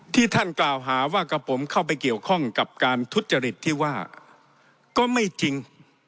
ท่านกล่าวหาว่ากับผมเข้าไปเกี่ยวข้องกับการทุจริตที่ว่าก็ไม่จริง